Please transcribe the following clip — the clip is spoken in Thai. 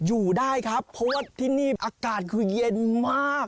อยู่ได้ครับเพราะว่าที่นี่อากาศคือเย็นมาก